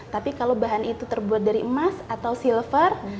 tapi kalau bahan itu terbuat dari emas atau silver